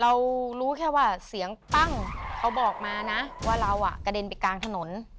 เรารู้แค่ว่าเสียงปั้งเขาบอกมานะว่าเราอ่ะกระเด็นไปกลางถนน